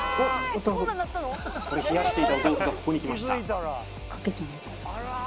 冷やしていたお豆腐がここに来ました。